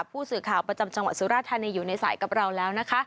ผู้สื่อข่าวประจำจังหวัดสุราธานีอยู่ในสายกับเราแล้วนะคะ